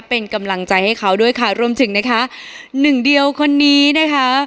เป็นกำลังใจให้เขาด้วยค่ะรวมถึงนะคะหนึ่งเดียวคนนี้นะคะ